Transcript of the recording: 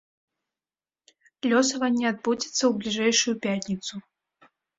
Лёсаванне адбудзецца ў бліжэйшую пятніцу.